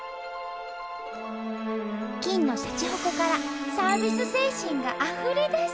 金のしゃちほこからサービス精神があふれ出す！